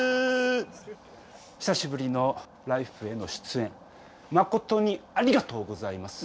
久しぶりの「ＬＩＦＥ！」への出演誠にありがとうございます。